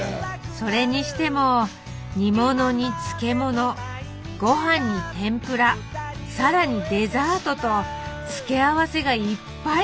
それにしても煮物に漬物ごはんに天ぷら更にデザートと付け合わせがいっぱい。